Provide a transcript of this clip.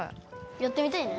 やってみたいね。